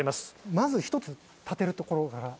まず１つ立てるところから。